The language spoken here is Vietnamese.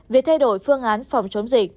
việc thay đổi phương án phòng chống dịch